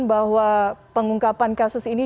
bahwa pengungkapan kasus ini